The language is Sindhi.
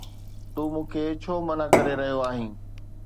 تون مون کي ڇو منع ڪري رهيو آهين؟